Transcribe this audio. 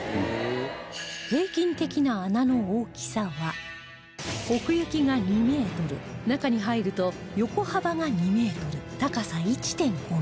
平均的な穴の大きさは奥行きが２メートル中に入ると横幅が２メートル高さ １．５ メートル